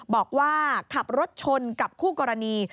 บอกว่าขับรถชนกับคู่กรณี